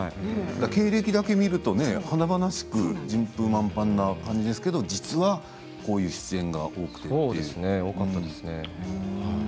経歴だけ見ると華々しく順風満帆な感じですけれども実はそうですね多かったですね。